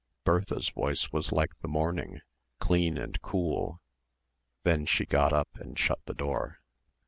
Bertha's voice was like the morning, clean and cool.... Then she got up and shut the door.